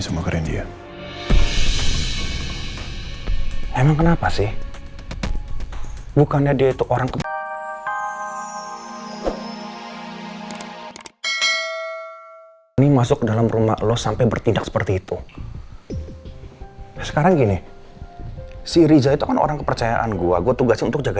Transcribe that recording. sampai jumpa di video selanjutnya